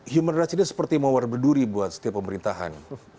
human rights ini seperti mawar berduri buat setiap pemerintahan